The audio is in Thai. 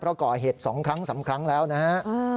เพราะก่อเหตุ๒ครั้ง๓ครั้งแล้วนะฮะ